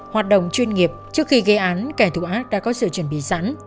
hoạt động chuyên nghiệp trước khi gây án kẻ thù ác đã có sự chuẩn bị sẵn